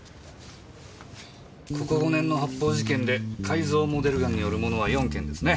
ここ５年の発砲事件で改造モデルガンによるものは４件ですね。